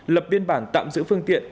lập biên bản tạm giữ phương tiện